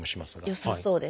よさそうです。